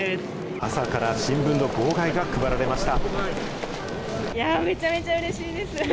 朝から新聞の号外が配られました。